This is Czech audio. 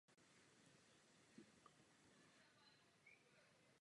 K přebudování může dojít kdykoliv.